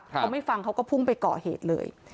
เขาไม่ฟังเขาก็พุ่งไปก่อเหตุเลย